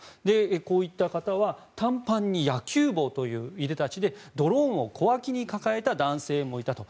こういった方は短パンに野球帽といういでたちでドローンを小脇に抱えた男性もいたと。